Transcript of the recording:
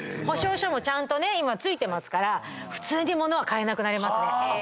保証書もちゃんとね今付いてますから普通に物は買えなくなりますね。